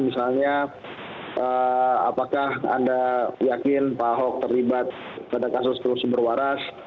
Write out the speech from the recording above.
misalnya apakah anda yakin pak ahok terlibat pada kasus korupsi berwaras